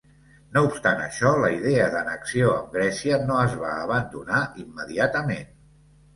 No obstant això, la idea d'annexió amb Grècia no es va abandonar immediatament.